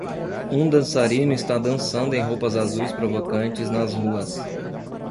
Um dançarino está dançando em roupas azuis provocantes nas ruas